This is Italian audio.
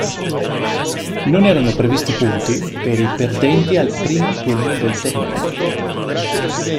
Non erano previsti punti per i perdenti al primo turno del torneo